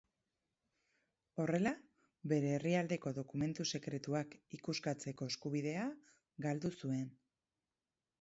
Horrela, bere herrialdeko dokumentu sekretuak ikuskatzeko eskubidea galdu zuen.